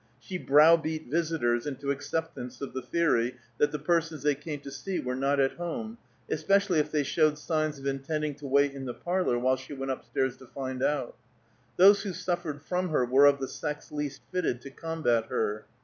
She brow beat visitors into acceptance of the theory that the persons they came to see were not at home, especially if they showed signs of intending to wait in the parlor while she went upstairs to find out. Those who suffered from her were of the sex least fitted to combat her.